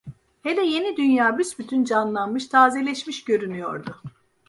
Hele Yeni Dünya büsbütün canlanmış, tazeleşmiş görünüyordu.